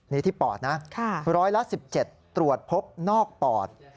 นี่ที่ปอดนะร้อยละ๑๗ตรวจพบนอกปอด